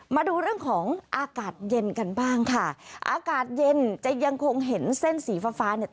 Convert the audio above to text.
มาดูเรื่องของอากาศเย็นกันบ้างค่ะอากาศเย็นจะยังคงเห็นเส้นสีฟ้าฟ้าเนี่ย